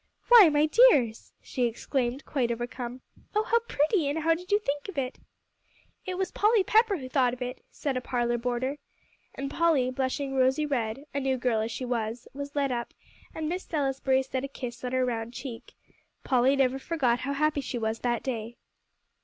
"Why, my dears!" she exclaimed, quite overcome. "Oh, how pretty! and how did you think of it?" "It was Polly Pepper who thought of it," said a parlor boarder. And Polly, blushing rosy red, a new girl as she was, was led up, and Miss Salisbury set a kiss on her round cheek. Polly never forgot how happy she was that day.